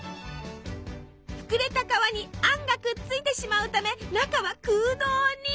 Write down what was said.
膨れた皮にあんがくっついてしまうため中は空洞に！